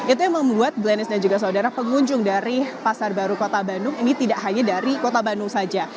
itu yang membuat blenis dan juga saudara pengunjung dari pasar baru kota bandung ini tidak hanya dari kota bandung saja